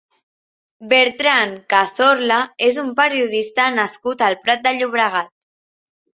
Bertran Cazorla és un periodista nascut al Prat de Llobregat.